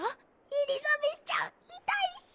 エリザベスちゃん痛いっす。